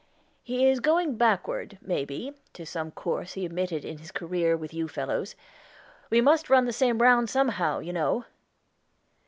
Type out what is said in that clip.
"He is going backward, may be, to some course he omitted in his career with you fellows. We must run the same round somehow, you know."